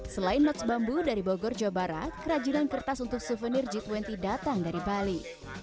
selain match bambu dari bogor jawa barat kerajinan kertas untuk souvenir g dua puluh datang dari bali